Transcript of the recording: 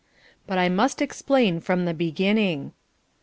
But I must explain from the beginning.